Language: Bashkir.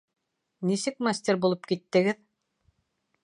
— Нисек мастер булып киттегеҙ?